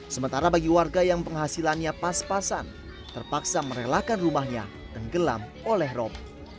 sementara bagi warga yang penghasilannya pas pasan terpaksa merelakan rumahnya dan gelam oleh rop